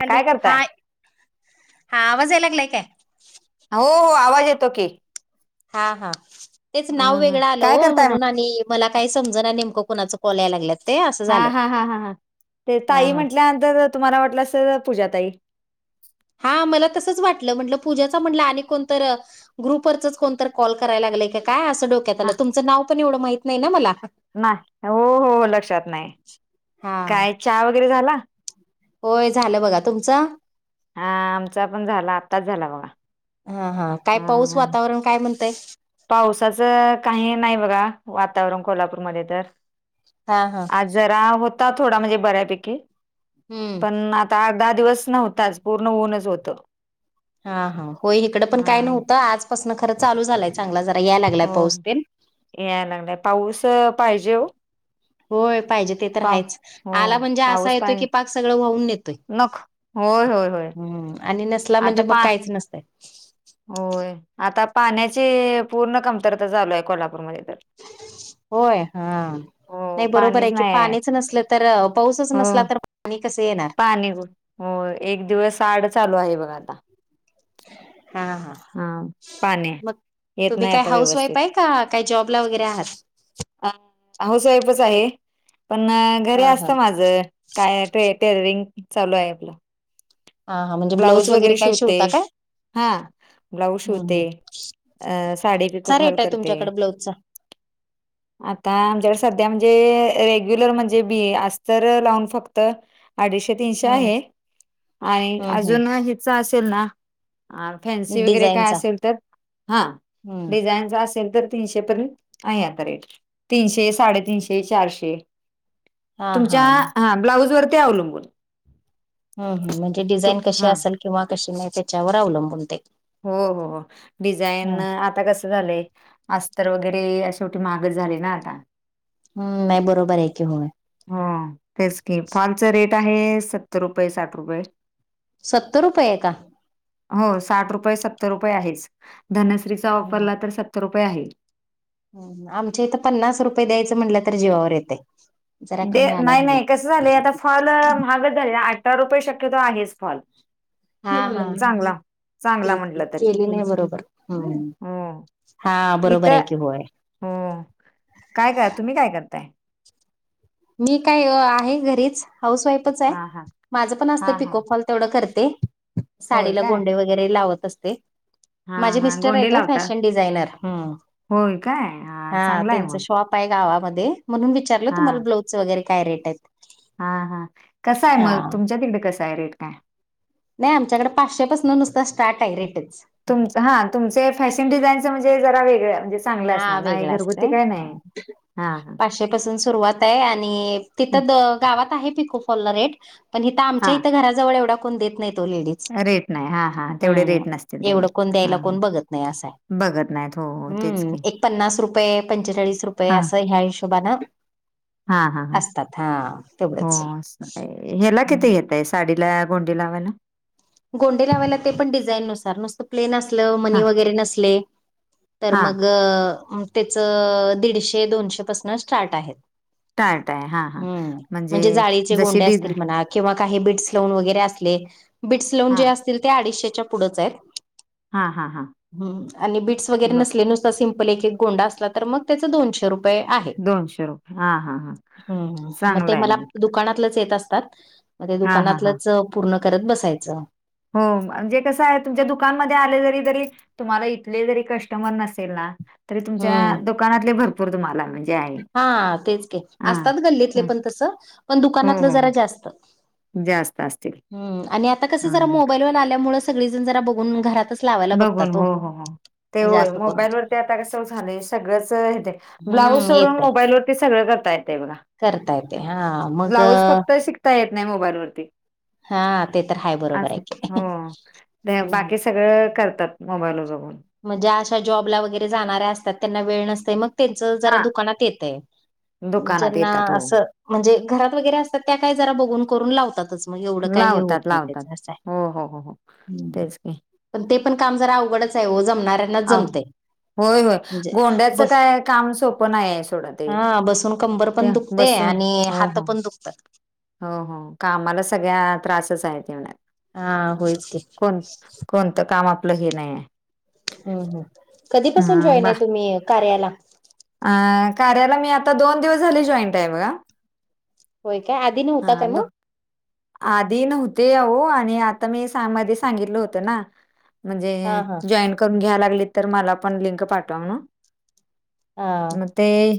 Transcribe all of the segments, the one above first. Hello काय करताय? Hi हा आवाज यायला लागलाय काय? हो हो आवाज येतो की हा हा तेच हा नाव हा वेगळं आलो काय करताय मग? म्हणून आणि मला काय समजना नेमकं कोणाचं काॅल यायला लागल्यात ते असं हा झालं. हा हा हा ह ते हा ताई हा म्हटल्यानंतर तुम्हाला वाटलं असल पूजा ताई हा मला तसंच वाटलं म्हंटलं पूजेचा म्हटलं आणि कोणतर ग्रुप वरचच कोणतर कॉल करायला लागलय काय असं डोक हा तुमच नाव पण एवढं माहित नाही ना मला नाही. हो हो लक्षात नाही. हा काय चहा वगैरे झाला? होय झालं बघा. तुमचा? हा आमचा पण झाला आत्ताच झाला बघा हा हा काय पाऊस हम्म वातावरण काय म्हणतय? पावसाचं काही नाही बघा वातावरण कोल्हापूरमध्ये तर हा हा जरा होता थोडा म्हणजे बऱ्यापैकी हम्म पण आ आठ दहा दिवस नव्हताच पूर्ण ऊनच होतं हा हा हो इकडं पण काय हा नव्हतं आजपासनं खरं चालू झालंय चांगला जरा यायला लागलाय पाऊस तेन यायला लागला पाऊस पाहिजे हो होय पाहिजे. ते तर पाव हायच हो आला म्हणजे असा पाऊस येतोय पाहिजे. की पाक सगळं वाहून नेत नख होय होय होय हम्म आणि नसला आता म्हणजे मग पा काहीच नसतंय. होय आता पाण्याची पूर्ण कमतरता झालीय कोल्हापूरमध्ये तर होय हा. हो नाही बरोबर पाणीच आहे की नाही पाणीच नसलं तर पाऊसच हो नसला तर पाणी कस येणार? पाणी हो एक दिवसआड चालू आहे बघ आता. हा हा पाणी मग येत तुम्ही नाही काय आता हाऊस व्यवस्थित वाईफ आहे का? काय जॉबला वगैरे आहात? अं हाऊस वाइफ च आहे. पण घरी हा असत हा. माझ. काय ते टेटरिंग चालू आहे आपलं. हा हा म्हणजे ब्लाऊज वगैरे काय शिवते. शिवता काय? हा ब्लाऊज हम्म हम्म. शिवते अं साडी कसा पिको-फॉल रेट आहे करते. तुमच्याकडे ब्लाऊजचा? आता आमच्याकडे सध्या म्हणजे रेग्युलर म्हणजे बी आस्तर लावून फक्त, अडीचशे तीनशे हम्म आहे. आणि हम्म अजून हिच असेल ना, फॅन्सी हम्म. वगैरे काय डिझाईनचा असेल तर, हा हम्म. डिझाईनच असेल तर, तीनशे पर्यंत आहे. आता रेट तीनशे साडेतीनशे चारशे. हा हा. तुमच्या हा ब्लाऊज वरती अवलंबून हम ह म्हणजे तू डिझाईन कशी हा असेल? किंवा कशी नाही? त्याच्यावर अवलंबून ते हो हो हा. डिझाईन आता कस झालंय अस्तर वगैरे शेवटी महाग झाले ना आता हम्म नाही बरोबर आहे की हो हो तेच की फॉलच रेट आहे. सत्तर रुपये साठ रुपये. सत्तर रुपये का? हो साठ रुपये सत्तर रुपये आहेच. धनश्रीचा हम्म. वापरला तर सत्तर रुपये आहे. आमच्या इथं पन्नास रुपये द्यायचं म्हटलं तर जीवावर येतय. जरा दे कमी आलाय मला नाही-नाही कसं झालंय? आता फॉल महागच झाले. अठरा रुपये शक्यतो आहेच फॉल. हा ह चांगला चांगला म्हटलं ठीक तरी केली नाही बरोबर ह. हो हा बरोबर इथं आहे की होय. हो काय ग तुम्ही काय करताय? मी काय ओ आहे घरीच. हाऊस वाईफच आहे. हा हा माझं पण असतं हा हा पिकोफॉल तेवढं करते होय साडीला काय गोंडे वगैरे लावत असते. हा माझे हा मिस्टर गोंडे आहेत ओ, लावतात. फॅशन डिझायनर होय काय हा चांगला आहे त्यांच मग शॉप. हाय गावामध्ये म्हणून विचारलं, तुम्हाला ब्लाउजच वगैरे काय रेट. हहः हं कसां आहे मग, हा. तुमच्या तिकडे कसं आहे रेट काय?. नाही आमच्याकडे पाचशेपासून नुसता स्टार्ट आहे रिटर्नस. तुमचं हा तुमचे फॅशन डिझाईनच म्हणेज जरा, वेगळे आपलेच. चांगलं हा असणार नाही वेगळा घरगुती असतोय काही नाही हा हा. [unintelligible] सुरुवात आहे. आणि तिथं गावात आहे पिको फॉलला रेट. पण इथं हा आमच्या इथं घराजवळ एवढा कोण देत नाहीत ओ लेडीज. रेट नाही हा हा तेवढे रेट हम्म नसतील तेवढे एवढं कोण हा द्यायला हा कोण बघत नाही असंय. बघत नाहीत हो हो तेच की एक पन्नास रुपये पंचेचाळीस रुपये हा असं ह्या हिशोबाने हा हा ह हो तेवढंच ह्याला किती घेतायेतं. साडीला गोंडे लावायला. गोंडे लावायला ते पण डिझाईननुसार नुसतं प्लेन असलं हा मनी वगैरे नसले, तर हा मग त्याच दीडशे दोनशेपसन स्टार्ट आहेत. टाळट आहे हा हा हम्म म्हणजे जाळीचे जशी गोंडे असतील डिझाईन मनात किंवा काही बिट्स लोन वगैरे असले बिट्स लोन हा जे असतील ते अडीचशेच्या पुढेच आहेत. हा हा हा हम्म आणि बीट्स वगैरे ब नसले नुसत पण एक एकोंड असला तर, मग त्याच दोनशेुपये बये आहे दोनशे रुपये हा हा हा हम्म म ते चांगला आहे मला. मग दुकानातलंच येत असतात मग ते हा हा हा दुकानातलंच पूर्ण करत बसायचं. हो म्हणजे कसं आहे तुमच्या दुकानमध्ये आले जरी तरी तुम्हाला इथले जरी कस्टमर नसेल ना तरी तुमच्या हम्म दुकानातले भरपूर तुम्हाला म्हणजे आहे हा तेच की हा असतात गल्लीतले हा. पण तसं पण हो दुकानातलं हो हो जरा जास्त. जास्त आसतील. हम्म आणि आता कस जरा, मोबाईल वरन आल्यामुळ सगळीजण जरा बघून घरातच लावायला बघून बघतात ओ. हो हो हो ते होय जास्त करून मोबाईल वर ते आता कस झालंय सगळंच येतय. ब्लाऊज हम्म सोडून येतय मोबाईलवरती सगळं करता येतय बघा. करता येते हा मग ता येत नाय मोबाईलवरती हा ते तर हाय बरोबर आहे आसं हे की. हो ते हम्म. बाकी स सगळं करतात मोबाईलवर बघून. म्हणजे आशा जॉबला वगैरे जाणाऱ्या असतात त्यांना वेळ नसतय मग तेच जरा हा दुकानात येतय दुकानात ज्यांना येतात हो आसं म्हणजे घरात वगैरे असतात त्या काय जरा बघून करून लावतातच. म एवढं काय हे होत लावतात नाही त्याच लावतात असं आहे. हो हो हो हो तेच की हम् पण ते पण काम जरा अवघडच आहे ओ जमणाऱ्यांना आ जमतय. होय होय म्हणजे गोंड्याचं बस काय काम सोपं नाहीये सोडा ते हा बसून कंबर पण ते दुखते बसून आणि हो हात हो पण दुखतात. हो हो कामाला सगळ्या त्रासच आहे तेवढा. हा होयच की. कोण कोणतं काम आपलं हे नाही आहे हुं, हुं कधीपासून हा जॉईन बा आहे तुम्ही कार्याला? अ कार्याला मी आता दोन दिवस झाले जॉईंट आहे बघा. होय काय? आ हा दो आधी नव्हते आहो आणि आता मी सामध्ये सांगितलं होत ना म्हणजे हा हा जॉईन करून घ्यालागली तर मला पण लिंक पाठव म्हणू हा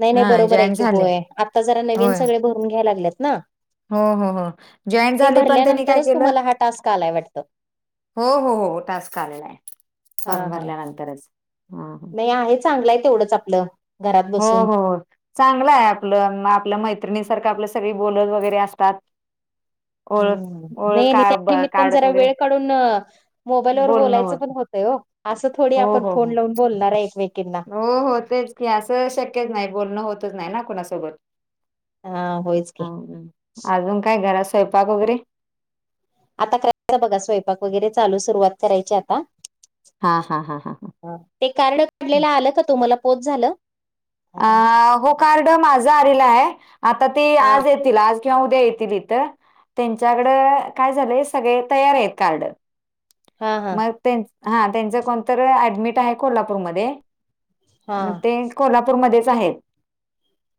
नाही नाही हा बरोबर आहे जॉईन की झाले होय आता जरा नवीन होय सगळे भरून घ्या लागल्यात ना. हो हो हो जॉईन ते झाले पण त्यांनी काय भरल्यानंतरच केलं तुम्हाला हा टास्क आलाय वाटतं हो हो हो टास्क आलेला आहे. हा फॉर्म हा भरल्यानंतरच हा. नाही आहे चांगलं आहे तेवढंच आपलं घरात हो बसून हो चांगल आहे आपलं आपलं मैत्रिणीसारखं आपलं सगळी बोलत वगैरे आसतात. हम्म नाही का ब- त्यानिमित्तान काढत जरा वगैरे वेळ काढून मोबाईलवर बोलणं बोलायचं होत पण होतंय ओ आसं थोडी हो आपण हो फोन हो लावून बोलणार आहे एकमेकींना. हो हो तेच की असं शक्यच नाही बोलणं होतच नाही ना कुणासोबत. हा होयच की हाव ना आजून काय घरात स्वयंपाक वगैरे? आता करायचा बघा स्वयंपाक वगैरे चालू सुरुवात करायची आता. हा, हा, हा, हा, हा. ते कार्ड काढलेल आलं का तुम्हाला पोहच झालं? हा अ हो कार्ड माझं आलेला आहे आता ते आज ये तील आज किंवा उद्या येतील इथं. त्यांच्याकडं काय झालंय सगळे तयार आहेत कार्ड हा हा म तें हा तेच कोणतर ऍडमिट आहे कोल्हापूरमध्ये हा म ते कोल्हापूरमध्येच आहे.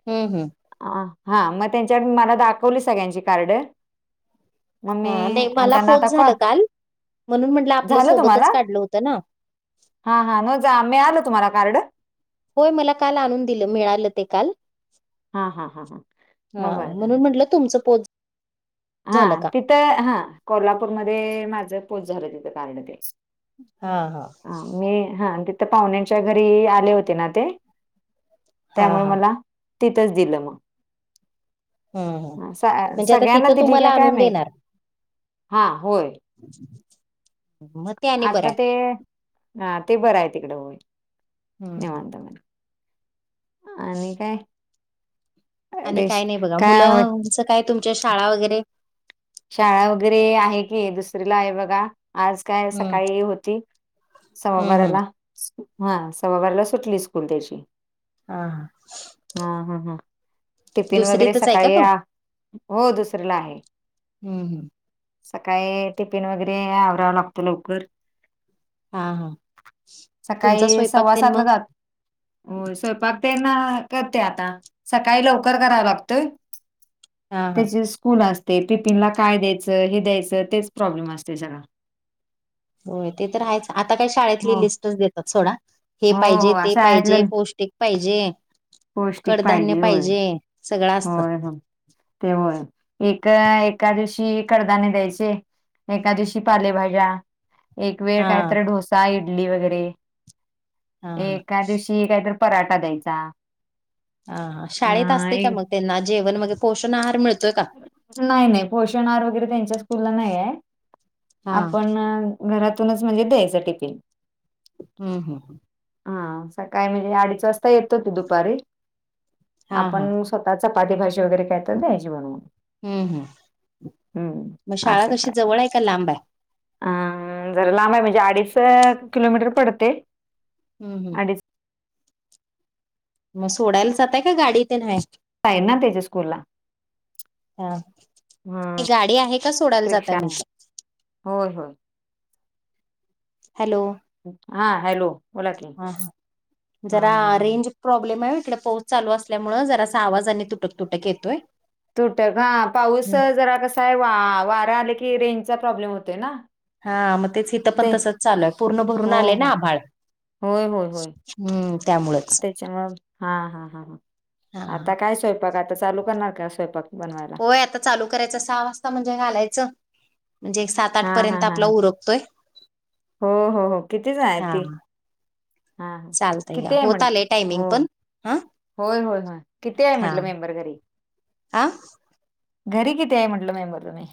हम् हम्. आ हा म त्यांच्या [unintelligible] मला दाखवली सगळ्यांची कार्ड मग हा मी नाही मला त्यांना आता पोहच कॉल झालं काल, म्हणून म्हटलं आपलं झालं तुम्हाला सोबतच काढलं होतं ना? हा हा न जा मिळालं तुम्हाला कार्ड? होय मला काल आणून दिलं मिळालं ते काल. हा हा हा हा हा मग बरं झालं म्हणून म्हंटलं तुमच पोच हा झालं का? तिथं हा कोल्हापूरमध्ये माझं पोच झालं तिथं कार्ड ते. हा हा ह मी हा तिथ पाहुण्यांच्या घरी आले होते ना ते? हा त्यामुळे हा मला तिथंच दिलं मग. हम्म हम्म, हा, स- म्हणजे आता सगळ्यांना तिथं दिली तुम्हाला का काय आणून माहिती देणार? हा होय म आता ते, हा ते बरंय आहे तिकडे होय, हम्म हम्म. निवांत. आणि काय? आणि काय रेश नाही बघा, काय होय मुलंचं काय तुमच्या शाळा वगैरे? शाळा वगैरे आहे की, दुसरीला आहे बघा आज काय हम्म सकाळी होती, सव्वा हम्म हम्म बाराला. हा सव्वाबाराला सुटली स्कूल त्याची. हा हा ह ह, टिफिन वगैरे दुसरीतच आहे का सकाळी तो? आ‌ हो दुसरीला आहे. हम्म हम्म सकाळी टिफिन वगैरे आवरावा लागतो लवकर. हा हा तुमचा सकाळी स्वयंपाक सव्वा तेन सात ला मग जात हो स्वयंपाक तेना करते आता, सकाळी लवकर करावं लागतंय. हा हा त्याचे स्कूल असते, टिफिनला काय द्यायचं हे द्यायचं तेच प्रॉब्लेम असते सगळं. होय ते तर आहेयच, आता काय शाळेतली हो लिस्टच देतात सोडा. हे हो पाहिजे हो ते पाहिजे शाळेतलं पौष्टिक पाहिजे. पौष्टिक कडधान्य होय पाहिजे, सगळं असतं. होय हो ते होय, एक एका दिवशी कडधान्य द्यायचे. एका दिवशी पालेभाज्या, एक वेळ हा कायतर ढोसा, इडली वगैरे. हा एका दिवशी काहीतरी पराठा द्यायचा. हा हा, अ शाळेत असतेय का एक मग त्यांना, जेवण मगे पोषण आहार मिळतोय का? नाही नाही, पोषण आहार वगैरे त्यांच्या स्कूलला नाही आहे, हा आपण अ घरातूनच म्हणजे द्यायचं टिफिन. हम्म हम्म हा, सकाळी म्हणजे अडीच वाजता येतो तो दुपारी, हा हा आपण स्वतः चपाती भाजी वगैरे काय तर द्यायची बनवून. हम्म हम्म, हम्म मग शाळा असं कशी काय जवळ आहे का लांब आहे? अ जरा लांब आहे, म्हणजे अडीच किलोमीटर पडते. हम्म हम्म अडीच मग सोडायला जाताय का गाडी तेन हाय? हाय ना त्याज्या स्कूलला. हा, की हम्म. गाडी आहे का सोडायला जाताय रिक्षा म्हंटलं? होय होय हॅलो! हा हॅलो! बोला की, हा हा हा जरा हा हा रेंज प्रॉब्लेम आहे ओ इकडं, पाऊस चालू असल्यामुळे जरासं आवाज आणि तुटक तुटक येतोय. तुटक हा, पाऊस जरा कसा आहे वा वारा आलं की रेंजचा प्रॉब्लेम होतोय ना. हा, मग तेच हिथं पण ते तसच चालू आहे, पूर्ण भरून हो आलेय हो ना आभाळ. होय होय होय, हम्म त्यामुळंच त्याच्यामु हा हा हा हा आता काय स्वयंपाक, आता चालू करणार का स्वयंपाक बनवायला? व्हय आता चालू करायचं सहा वाजता म्हणजे घालायचं, म्हणजे सात हा आठ हा पर्यंत हा आपला उरकतोय, हो हो हो कितीच आहे हा ती हा हा चालतया किती आहे म्हण होत आलेय टायमिंग हो पण, हा. होय होय होय, किती आहे म्हटलं मेंबर घरी? आ? घरी किती आहे म्हटलं मेंबर तुम्ही?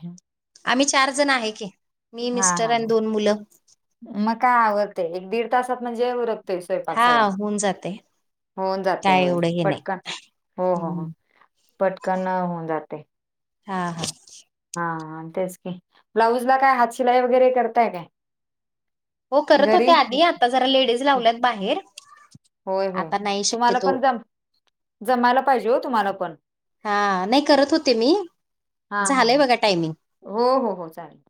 आम्ही चार जण आहे की, मी हा मिस्टर हा आणि दोन मुलं. मग काय आवरते, एक दीड तासात म्हणजे उरक हां होऊन जातय. होऊन जाते होय पटकन हो हो हम्म हो पटकन अ होऊन जातय. हां हां हां हां तेच की, ब्लाऊज ला काय हातशिलाई वगैरे करताय काय? हो करत घरी होते आधी आता जरा लेडीज लावल्यात बाहेर होय होय आता नाही तुम्हाला शक्यतो? पण जम जमायला पाहिजे हो तुम्हाला पण हां नाही करत होते मी? हा हा झालंय हा बघा टायमिंग. हो हो हो चालेल